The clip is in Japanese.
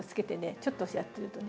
ちょっとやってるとね。